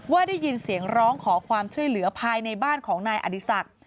ได้ยินเสียงร้องขอความช่วยเหลือภายในบ้านของนายอดีศักดิ์